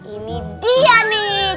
ini dia nih